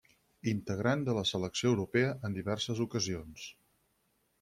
Integrant de la Selecció Europea en diverses ocasions.